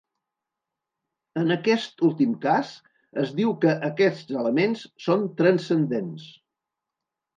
En aquest últim cas es diu que aquests elements són transcendents.